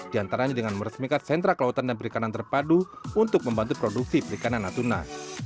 di antaranya dengan meresmikan sentra kelautan dan perikanan terpadu untuk membantu produksi perikanan natuna